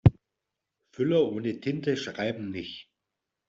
Füller ohne Tinte schreiben nicht.